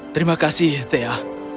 terima kasih thea